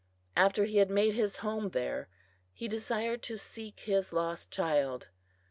After he had made his home there, he desired to seek his lost child.